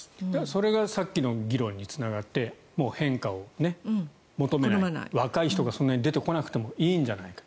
それがさっきの議論につながって変化を求めない若い人がそんなに出てこなくてもいいんじゃないか。